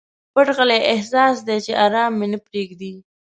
پټ غلی احساس دی چې ارام مي نه پریږدي.